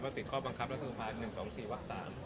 ติดข้อบังคับรัฐสภา๑๒๔วัก๓